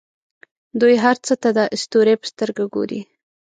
دوی هر څه ته د اسطورې په سترګه ګوري.